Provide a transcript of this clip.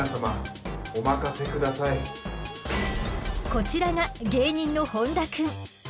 こちらが芸人の本多くん。